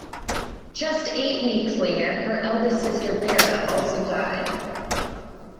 Just eight weeks later, her eldest sister Vera also died.